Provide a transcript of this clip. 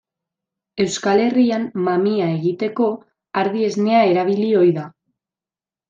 Euskal Herrian mamia egiteko ardi esnea erabili ohi da.